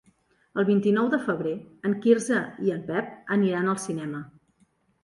El vint-i-nou de febrer en Quirze i en Pep aniran al cinema.